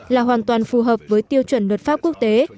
là hoàn toàn phù hợp với tiêu chuẩn luật pháp quốc tế